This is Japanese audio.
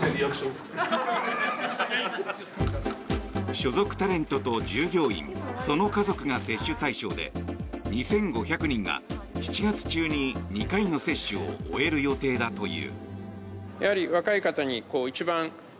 所属タレントと従業員その家族が接種対象で２５００人が７月中に２回の接種を終える予定だという。